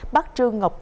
bác trương ngọc tuyên